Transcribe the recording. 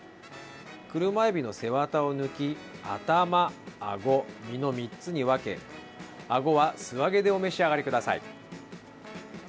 クルマエビの背ワタを抜き頭、あご、身の３つに分けあごは素揚げでお召し上がりください。